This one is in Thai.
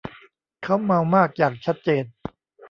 เค้าเมามากอย่างชัดเจน